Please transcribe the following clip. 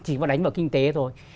chỉ có đánh vào kinh tế thôi